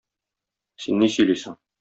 Син ни сөйлисең?